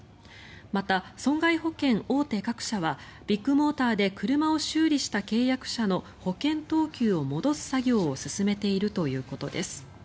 また、損害保険大手各社はビッグモーターで車を修理した契約者の保険等級を戻す作業を進めているということです。